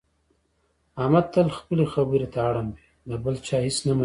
احمد تل خپلې خبرې ته اړم وي، د بل چا هېڅ نه مني.